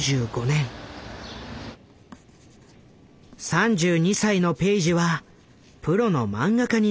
３２歳のペイジはプロのマンガ家になっていた。